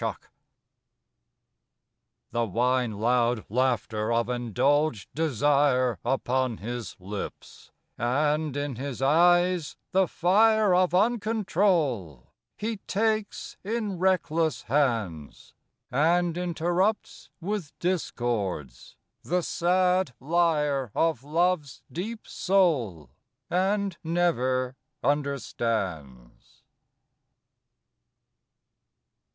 PASSION The wine loud laughter of indulged desire Upon his lips, and, in his eyes, the fire Of uncontrol, he takes in reckless hands, And interrupts with discords, the sad lyre Of Love's deep soul, and never understands.